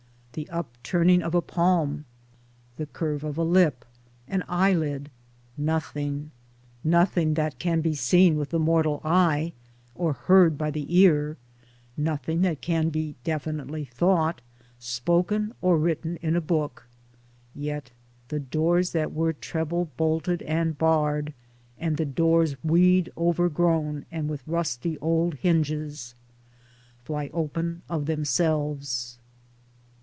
The upturning of a palm? the curve of a lip, an eyelid ? Nothing. Nothing that can be seen with the mortal eye or heard by the ear, nothing that can be definitely thought, spoken, or written in a book — Yet the doors that were trebled bolted and barred, and the doors weed overgrown and with rusty old hinges, Fly open of themselves.